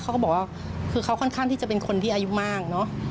เขาก็บอกว่าเขาค่อนข้างที่จะเป็นคนที่นิยมมาก